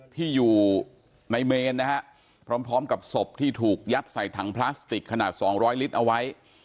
ที่อยู่ในเมนนะครับพร้อมพร้อมกับศพที่ถูกยัดใส่ถังพลาสติกขนาดสองร้อยลิตรเอาไว้